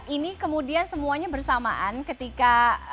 ini kemudian semuanya bersamaan ketika